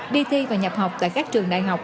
đi thi và nhập học tại các trường đại học